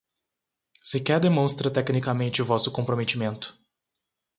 Sequer demonstra tecnicamente vosso comprometimento